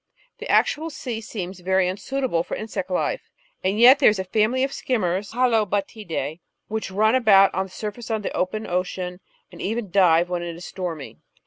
The actual sea seems very imsuitable for insect life, and yet there is a family of Skim mers (Halobatidce) which run about on the surface of the open ocean, and even dive when it is stormy.